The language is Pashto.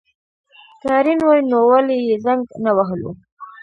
که اړين وای نو ولي يي زنګ نه وهلو